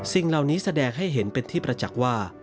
สิ่งเหล่านี้แสดงให้เห็นเป็นที่ประจักษ์ว่า